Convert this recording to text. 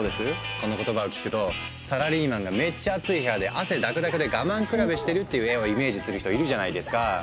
この言葉を聞くとサラリーマンがめっちゃアツい部屋で汗だくだくで我慢比べしてるっていう絵をイメージする人いるじゃないですか。